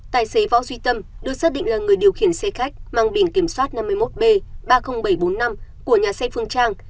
tài xế võ duy tâm được xác định là người điều khiển xe khách mang biển kiểm soát năm mươi một b ba mươi nghìn bảy trăm bốn mươi năm của nhà xe phương trang